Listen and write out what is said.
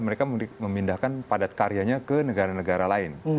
mereka memindahkan padat karyanya ke negara negara lain